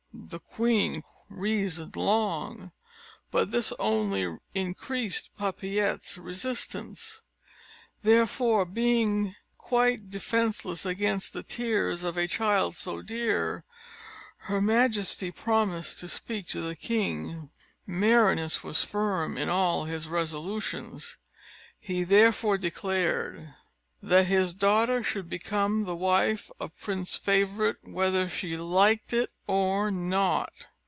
The queen reasoned long; but this only increased Papillette's resistance: therefore, being quite defenceless against the tears of a child so dear, her majesty promised to speak to the king. Merinous was firm in all his resolutions; he therefore declared, that his daughter should become the wife of Prince Favourite, whether she liked it or not.